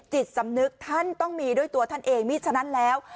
จิตสำนึกท่านต้องมีด้วยตัวท่านเองมีฉะนั้นแล้ว